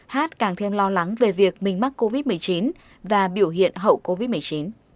hát càng thêm lo lắng về việc mình mắc covid một mươi chín và biểu hiện hậu covid một mươi chín